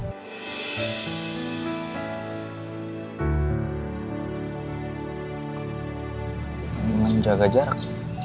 tapi menjaga jarak